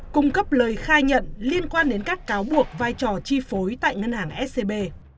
cung cấp lời khai nhận liên quan đến các cáo buộc vai trò chi phối tại ngân hàng scb